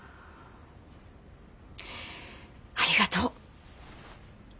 ありがとう。